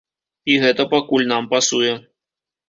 І гэта пакуль нам пасуе.